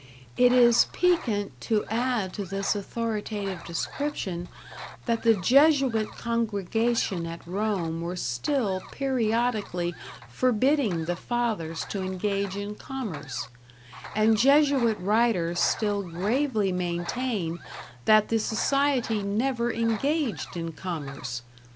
It is piquant to add to this authoritative description that the Jesuit congregation at Rome were still periodically forbidding the fathers to engage in commerce, and Jesuit writers still gravely maintain that the society never engaged in commerce.